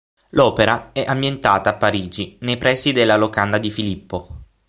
L'opera è ambientata a Parigi, nei pressi della locanda di Filippo.